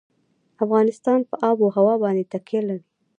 افغانستان په آب وهوا باندې تکیه لري.